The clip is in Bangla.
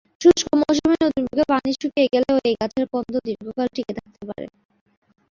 শুষ্ক মৌসুমে নদীর বুকে পানি শুকিয়ে গেলেও এই গাছের কন্দ দীর্ঘকাল টিকে থাকতে পারে।